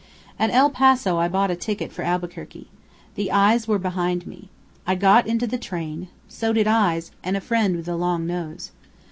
"At El Paso I bought a ticket for Albuquerque. The eyes were behind me. I got into the train. So did Eyes, and a friend with a long nose.